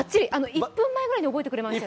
１分前ぐらいに覚えてくれましたよね。